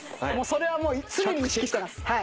それはもう常に意識してます。